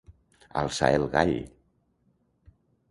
Alçar el gall.